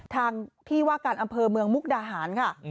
ทางที่ว่าการอำเภอเมืองมุกดาหารค่ะ